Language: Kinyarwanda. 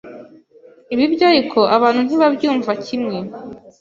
Ibi byo ariko abantu ntibabyumva kimwe,